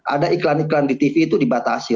ada iklan iklan di tv itu dibatasi